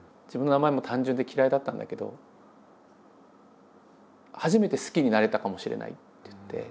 「自分の名前も単純で嫌いだったんだけど初めて好きになれたかもしれない」って言って。